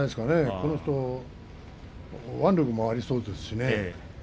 この人腕力もありそうですしね。